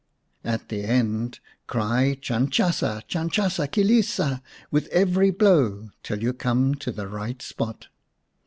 At the end, cry 'Chanchasa! Chanchasa! Kilhisa!' with every blow till you come to the right spot.